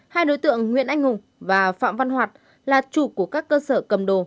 hai đối tượng nguyễn anh hùng và phạm văn hoạt là chủ của các cơ sở cầm đồ